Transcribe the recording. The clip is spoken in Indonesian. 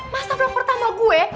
masa vlog pertama gue